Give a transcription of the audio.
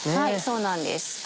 そうなんです。